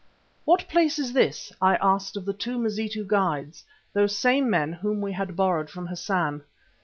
"What place is this?" I asked of the two Mazitu guides, those same men whom we had borrowed from Hassan.